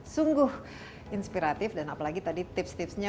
sungguh inspiratif dan apalagi tadi tips tipsnya